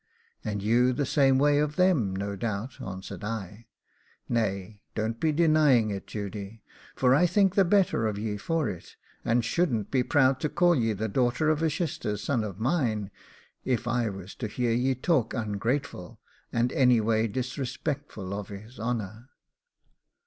'And you the same way of them, no doubt,' answered I. 'Nay, don't he denying it, Judy, for I think the better of ye for it, and shouldn't be proud to call ye the daughter of a shister's son of mine, if I was to hear ye talk ungrateful, and anyway disrespectful of his honour.